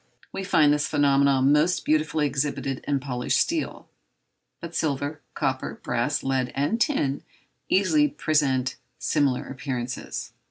We find this phenomenon most beautifully exhibited in polished steel; but silver, copper, brass, lead, and tin, easily present similar appearances.